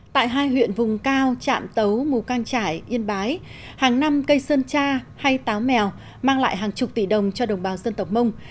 tại hai huyện vùng cao trạm tấu mù căng trải yên bái hàng năm cây sơn tra hay táo mèo mang lại hàng chục tỷ đồng cho đồng bào dân tộc mông